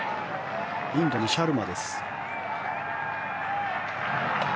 インドのシャルマです。